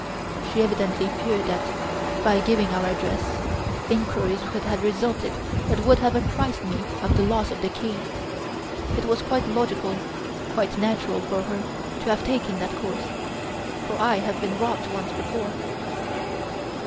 She evidently feared that, by giving our address, inquiries would have resulted that would have apprised me of the loss of the key. It was quite logical, quite natural for her to have taken that course for I have been robbed once before."